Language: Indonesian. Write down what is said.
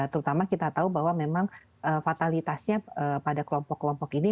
terutama kita tahu bahwa memang fatalitasnya pada kelompok kelompok ini